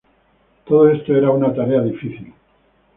Todo esto era una tarea difícil.